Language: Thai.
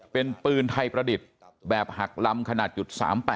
เป็นปืนไทยประดิษฐ์แบบหักลำขนาด๓๘